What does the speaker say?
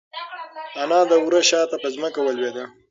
انا د وره شاته په ځمکه ولوېده.